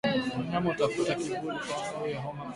Wanyama hutafuta kivuli kwa sababu ya homa kali